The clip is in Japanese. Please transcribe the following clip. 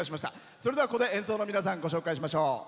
それでは、ここで演奏の皆さんご紹介しましょう。